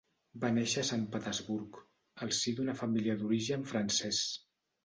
Va néixer a Sant Petersburg, al si d'una família d'origen francès.